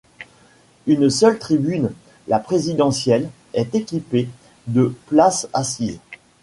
Une seule tribune, la Présidentielle, est équipée de places assises.